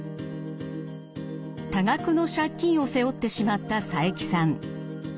多額の借金を背負ってしまった佐伯さん。